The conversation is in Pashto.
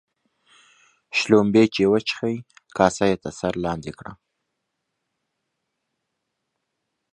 شلومبې چې وچښې ، کاسه يې تر سر لاندي کړه.